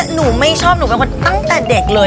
หนูไม่ชอบหนูเป็นคนตั้งแต่เด็กเลย